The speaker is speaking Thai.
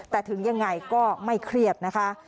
แต่ถึงยังไงก็ไม่เครียดนะคะ